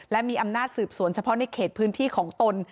และมีอำนาจสืบสวนเฉพาะในเขตพื้นที่ของตน